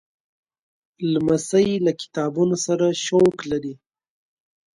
لمسی له کتابونو سره شوق لري.